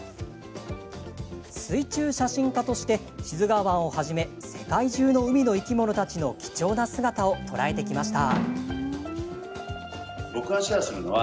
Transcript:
水中写真家として志津川湾をはじめ世界中の海の生き物たちの貴重な姿を捉えてきました。